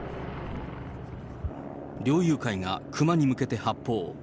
猟友会が熊に向けて発砲。